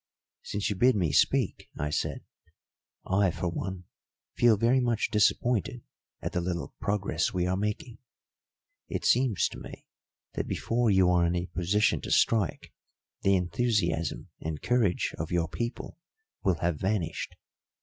"Since you bid me speak," I said, "I, for one, feel very much disappointed at the little progress we are making. It seems to me that before you are in a position to strike, the enthusiasm and courage of your people will have vanished.